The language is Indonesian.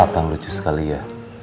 abang lucu sekali ya